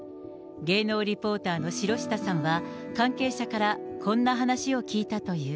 芸能リポーターの城下さんは、関係者からこんな話を聞いたという。